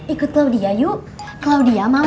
ikut claudia yuk claudia mau